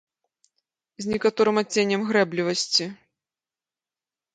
З некаторым адценнем грэблівасці.